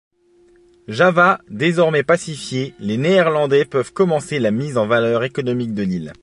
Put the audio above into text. Java désormais pacifiée, les Néerlandais peuvent commencer la mise en valeur économique de l'île.